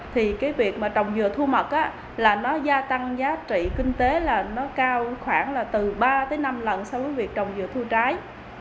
thì cái việc mà trồng dừa thu mật là nó gia tăng giá trị kinh tế là nó cao khoảng là từ ba tới năm lần so với việc trồng dừa thu trái